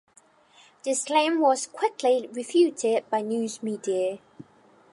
This claim was quickly refuted by news media.